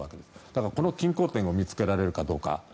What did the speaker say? だからこの均衡点を見つけられるかどうか。